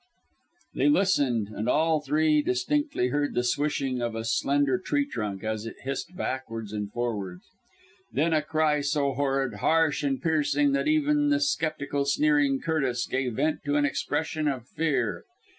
They listened and all three distinctly heard the swishing of a slender tree trunk as it hissed backwards and forwards. Then, a cry so horrid, harsh and piercing that even the sceptical, sneering Curtis gave vent to an expression of fear.